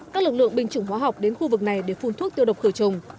các lực lượng binh chủng hóa học đến khu vực này để phun thuốc tiêu độc khử trùng